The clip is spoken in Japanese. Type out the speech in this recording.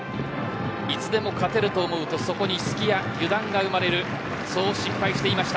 いつでも勝てると思うとそこに隙や油断が生まれるそう心配していました。